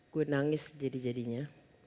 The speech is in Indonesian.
gue nangis jadi jadinya